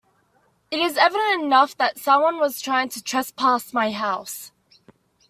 It is evident enough that someone was trying to trespass my house.